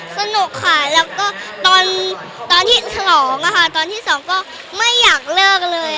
สนุกค่ะตอนที่สองค่ะตอนที่สองก็ไม่อยากเลิกเลย